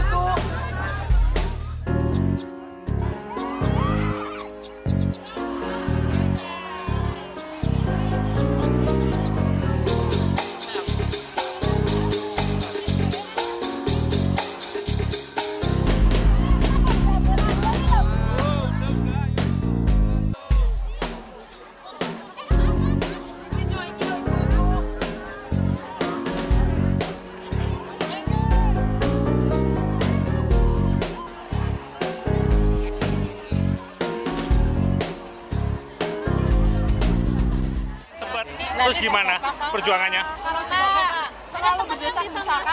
dengan senggol senggol lagi